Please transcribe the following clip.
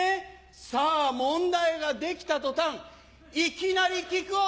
さぁ問題ができた途端いきなり木久扇